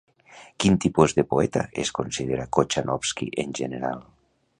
Quin tipus de poeta es considera Kochanowski en general?